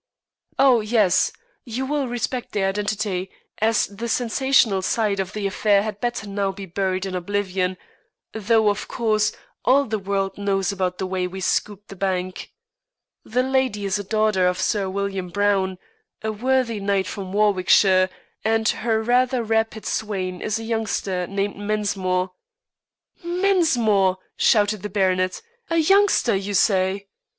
"Oh yes. You will respect their identity, as the sensational side of the affair had better now be buried in oblivion, though, of course, all the world knows about the way we scooped the bank. The lady is a daughter of Sir William Browne, a worthy knight from Warwickshire, and her rather rapid swain is a youngster named Mensmore." "Mensmore!" shouted the baronet. "A youngster, you say?"